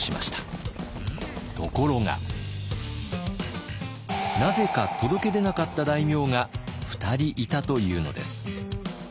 ところがなぜか届け出なかった大名が２人いたというのです。